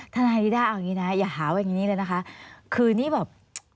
ท่านฮานิด้าอย่าหาวอย่างนี้เลยนะคะคือนี่แบบ